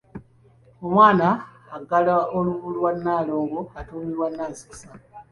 Omwana aggala olubu lw’abalongo atuumibwa Nansukusa.